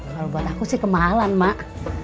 kalau buat aku sih kemahalan mak